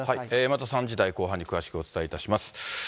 また３時台後半に詳しくお伝えいたします。